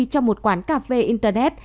trong một quán cà phê internet